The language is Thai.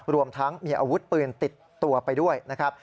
รวมทั้งมีอาวุธปืนติดตัวไปด้วยนะครับ